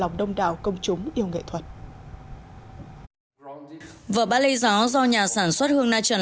lòng đông đảo công chúng yêu nghệ thuật vở ba lê gió do nhà sản xuất hương na trần